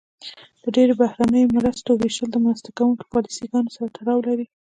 د ډیری بهرنیو مرستو ویشل د مرسته کوونکو د پالیسي ګانو سره تړاو لري.